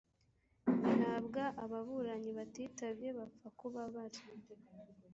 bihabwa ababuranyi batitabye bapfa kuba bari